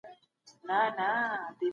یو بریالی څېړونکی باید ښه صفتونه ولري.